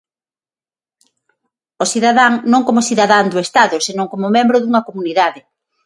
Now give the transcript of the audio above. O cidadán non como cidadán do Estado, senón como membro dunha comunidade.